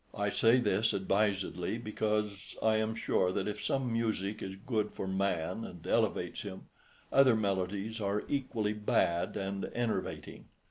I say this advisedly, because I am sure that if some music is good for man and elevates him, other melodies are equally bad and enervating.